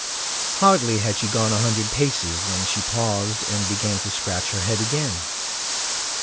Hardly had she gone a hundred paces when she paused and began to scratch her head again.